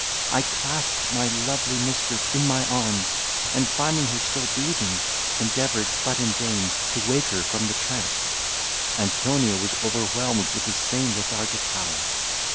I clasped my lovely mistress in my arms, and, finding her still breathing, endeavoured, but in vain, to wake her from the trance Antonia was overwhelmed with the same lethargic power.